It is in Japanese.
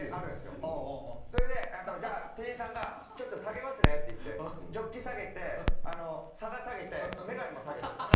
それでじゃあ店員さんが「ちょっと下げますね」って言ってジョッキ下げて皿下げて眼鏡も下げていって。